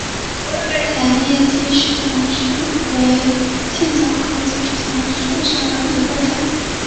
狭叶鸡矢藤为茜草科鸡矢藤属下的一个种。